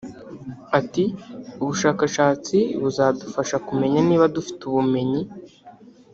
Ati”Ubushakashatsi buzadufasha kumenya niba dufite ubumenyi